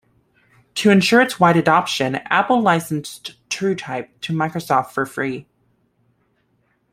To ensure its wide adoption, Apple licensed TrueType to Microsoft for free.